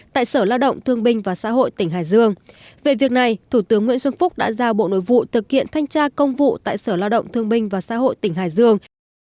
tại sở lao động thương binh và xã hội tỉnh hải dương về việc này thủ tướng nguyễn xuân phúc đã giao bộ nội vụ thực hiện thanh tra công vụ tại sở lao động thương binh và xã hội tỉnh hải dương